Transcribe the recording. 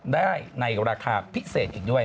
ได้ในราคาพิเศษอีกด้วย